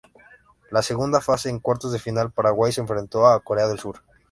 La segunda fase, en cuartos de final, Paraguay se enfrentó a Corea del Sur.